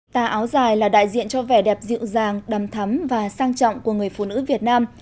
tà áo dài là đại diện cho vẻ đẹp dịu dàng đầm thắm và sang trọng của người phụ nữ việt nam